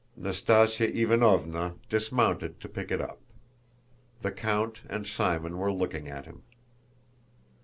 Nastásya Ivánovna dismounted to pick it up. The count and Simon were looking at him.